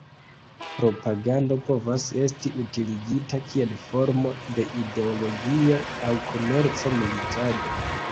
Propagando povas esti utiligita kiel formo de ideologia aŭ komerca militado.